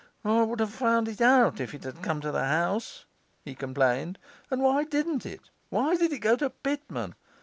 'I would have found it out if it had come to the house,' he complained. 'And why didn't it? why did it go to Pitman?